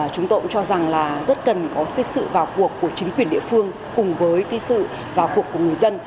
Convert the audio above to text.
chúng tôi cũng cho rằng là rất cần có sự vào cuộc của chính quyền địa phương cùng với cái sự vào cuộc của người dân